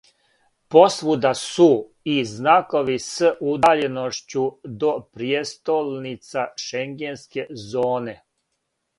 Посвуда су и знакови с удаљеношћу до пријестолница шенгенске зоне.